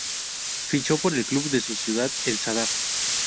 Fichó por el club de su ciudad, el Zadar.